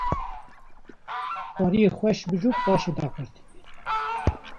pariyê xweş bicû paşê daqurtîne